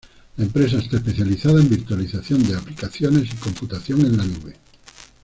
La empresa está especializada en virtualización de aplicaciones y computación en la nube.